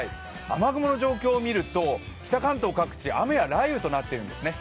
雨雲の状況を見ると、北関東は各地雷雨となっているんですね。